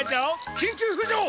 きんきゅうふじょう！